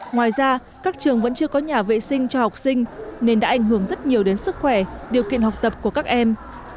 ngoài ra các trường vẫn chưa có nhà vệ sinh cho học sinh nên đã ảnh hưởng rất nhiều đến sức khỏe điều kiện học tập của các em